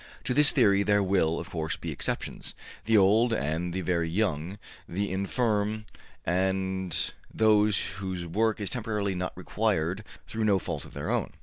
To this theory there will, of course, be exceptions: the old and the very young, the infirm and those whose work is temporarily not required through no fault of their own.